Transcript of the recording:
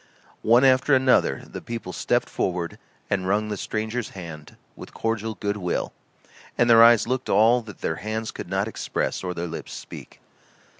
One after another the people stepped forward and wrung the stranger's hand with cordial good will, and their eyes looked all that their hands could not express or their lips speak.